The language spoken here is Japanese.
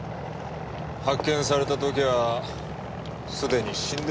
発見された時はすでに死んでた。